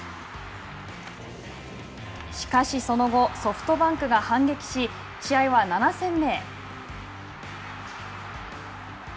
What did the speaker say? しかし、その後ソフトバンクが反撃し、試合は７戦目へ。